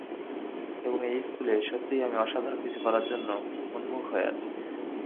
এবং এই স্কুলে, সত্যিই আমি অসাধারণ কিছু করার জন্য, উন্মুখ হয়ে আছি।